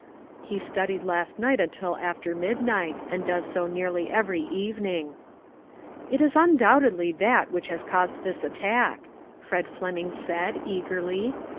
" He studied last night until after midnight, and does so nearly every evening." "It is undoubtedly that which has caused this attack," Fred Fleming said, eagerly.